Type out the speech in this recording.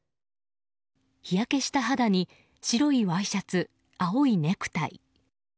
日焼けした肌に白いワイシャツ、青いネクタイ。